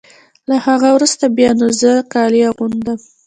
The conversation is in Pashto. له هغه وروسته بیا نو زه کالي اغوندم.